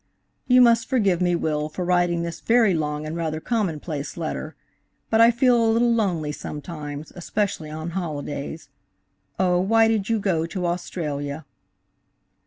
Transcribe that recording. You must forgive me, dear Will, for writing this very long and rather commonplace letter; but I feel a little lonely sometimes, especially on holidays. Oh, why did you go to Australia?